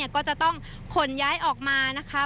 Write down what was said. ก็จะต้องขนย้ายออกมานะคะ